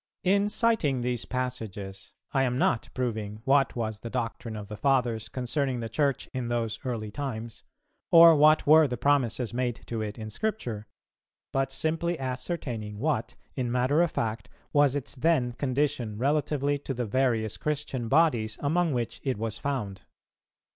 In citing these passages, I am not proving what was the doctrine of the Fathers concerning the Church in those early times, or what were the promises made to it in Scripture; but simply ascertaining what, in matter of fact, was its then condition relatively to the various Christian bodies among which it was found.